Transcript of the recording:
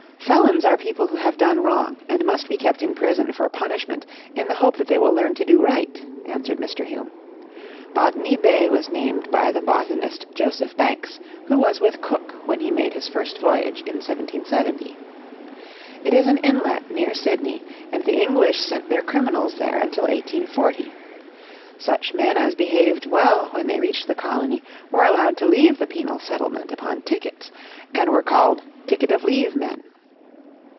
" Felons are people who have done wrong and must be kept in prison for punishment in the hope that they will learn to do right/' an swered Mr. Hume. " Botany Bay was named by the botanist Joseph Banks who was with Cook when he made his first voyage in 1770. It is an inlet near Sydney and the English sent their criminals there until 1840. Such men as behaved well when they reached the colony were allowed to leave the penal settlement upon tickets, and were called ' ticket of leave men.'